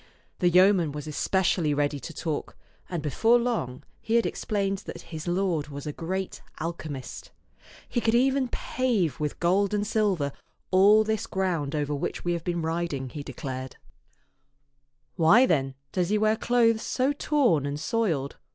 The yeoman was especially ready to talk, and before long he had explained that his lord was a great alchemist. " He could even pave with gold and silver all this ground over which we have been riding," he de clared. 204 ^^t Canon'B VtomcKn's €<xk "Why, then, does he wear clothes so torn and soiled?"